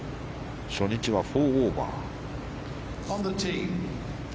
初日は４オーバー。